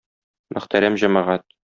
Мөхтәрәм җәмәгать!